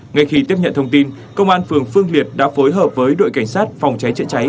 ngay khi tiếp nhận thông tin công an phường phương liệt đã phối hợp với đội cảnh sát phòng cháy chữa cháy